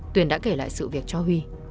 tuyền đã kể lại sự việc cho huy